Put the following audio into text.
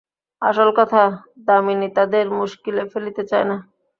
আসল কথা, দামিনী তাদের মুশকিলে ফেলিতে চায় না।